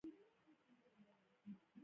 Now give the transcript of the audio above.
پر ملا تاو شو، کېناست.